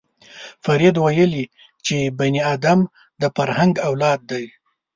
فروید ویلي چې بني ادم د فرهنګ اولاد دی